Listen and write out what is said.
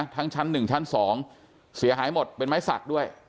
ทั้งชั้นหนึ่งชั้นสองเสียหายหมดเป็นไม้สักด้วย